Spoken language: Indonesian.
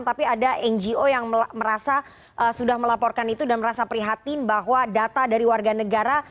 tapi ada ngo yang merasa sudah melaporkan itu dan merasa prihatin bahwa data dari warga negara